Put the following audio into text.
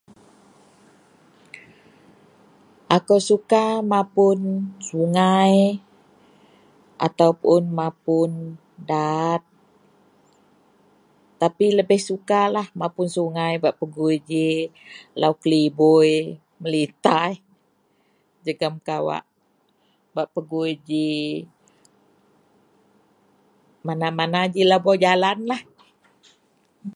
akou suka mapun sungai ataupun mapun daat tapi lebih sukalah mapun sungai bak pegui jilah lau kelibui melintas jegum kawak bak pegui ji, mana-mana jilah baau jalanlah